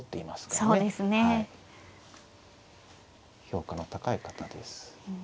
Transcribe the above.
評価の高い方です。